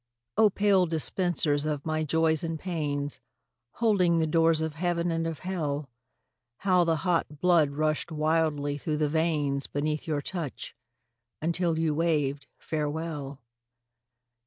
Oh, pale dispensers of my Joys and Pains, Holding the doors of Heaven and of Hell, How the hot blood rushed wildly through the veins Beneath your touch, until you waved farewell.